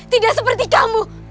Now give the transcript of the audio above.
tidak seperti kamu